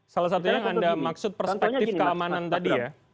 salah satunya yang anda maksud perspektif keamanan tadi ya